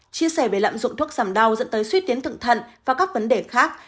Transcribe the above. chia sẻ về lạm dụng thuốc giảm đau dẫn tới suy tiến thượng thận và các vấn đề khác